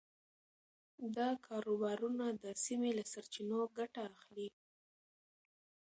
دا کاروبارونه د سیمې له سرچینو ګټه اخلي.